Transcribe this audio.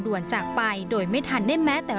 จากไปโดยไม่ทันได้แม้แต่